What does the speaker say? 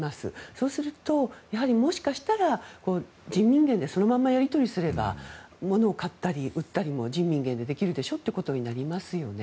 そうするともしかしたら人民元でそのままやり取りすれば物を買ったり売ったりも人民元でできるでしょってことになりますよね。